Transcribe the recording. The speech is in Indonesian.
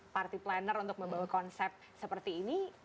party planner untuk membawa konsep seperti ini